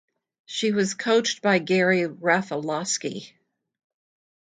She was coached by Gary Rafaloski.